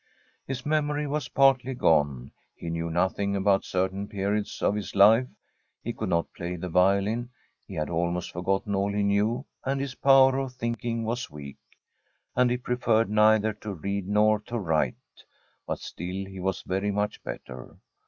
His memory was partly gone. He knew nothing about certain periods of his life; he could not play the violin ; he had almost forgot ten all he knew ; and his power of thinking was The STORY of a COUNTRY HOUSE weak; and he preferred neither to read nor to write. But still he was very much better.